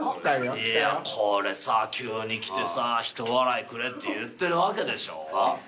いやこれ急に来てさひと笑いくれって言ってるわけでしょ。